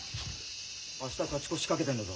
明日勝ち越しかけてんだぞ。